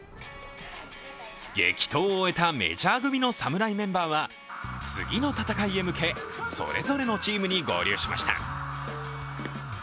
激闘を終えたメジャー組の侍メンバーは次の戦いへ向け、それぞれのチームに合流しました。